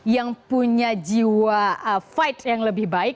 yang punya jiwa fight yang lebih baik